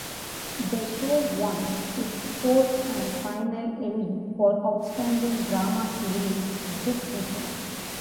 The show won its fourth and final Emmy for Outstanding Drama Series this season.